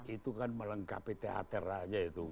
itu kan melengkapi teater aja itu